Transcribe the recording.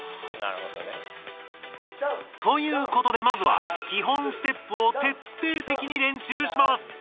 なるほどね。ということでまずは基本ステップをてってい的に練習します！